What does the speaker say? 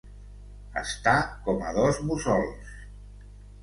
Estar com a dos mussols.